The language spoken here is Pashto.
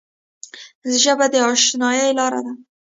ژبه د اشنايي لاره ده